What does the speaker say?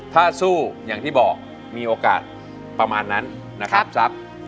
ถ้าสู้อย่างที่บอกมีโอกาสประมาณนั้นนะครับทรัพย์